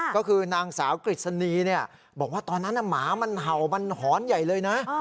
ก็คือนางสาวกฤษณีบอกว่าตอนนั้นหมามันเห่ามันหอนใหญ่เลยนะ